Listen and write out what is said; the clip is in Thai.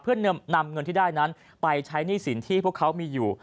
เพื่อนำเงินที่ได้นั้นไปใช้หนี้สินที่พวกเขามีอยู่